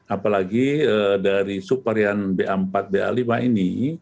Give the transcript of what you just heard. apalagi dari superian b empat b lima ini